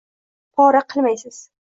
Pora qilmaysiz